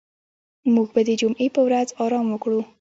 موږ به د جمعې په ورځ آرام وکړو.